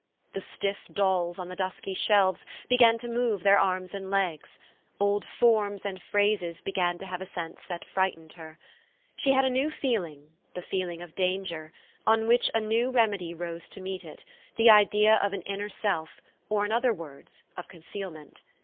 The stiff dolls on the dusky shelves began to move their arms and legs; old forms and phrases began to have a sense that frightened her. She had a new feeling, the feeling of danger; on which a new remedy rose to meet it, the idea of an inner self or, in other words, of concealment.